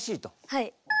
はい。